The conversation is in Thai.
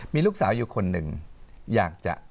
มีลูกสาวอยู่คนหนึ่งอยากจะ